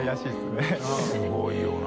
すごいよな。